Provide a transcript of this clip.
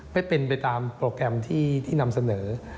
ไม่เป็นไปตามโปรแกรมที่นำเสนอ